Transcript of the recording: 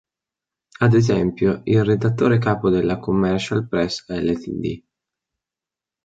Ad esempio il redattore capo della Commercial Press Ltd.